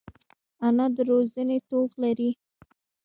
انا د روزنې توغ لري